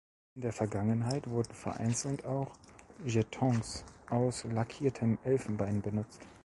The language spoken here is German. In der Vergangenheit wurden vereinzelt auch Jetons aus lackiertem Elfenbein benutzt.